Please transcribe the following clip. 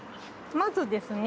まずですね